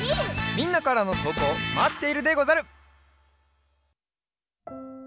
みんなからのとうこうまっているでござる！